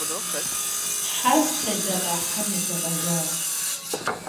Хьэр къедзэкъа хьэм едзэкъэжащ.